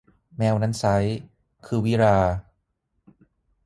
แมวนั้นไซร้ คือวิฬาร์